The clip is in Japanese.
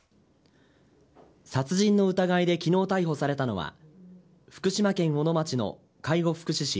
殺人の疑いで昨日逮捕されたのは福島県小野町の介護福祉士